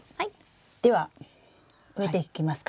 では植えていきますか。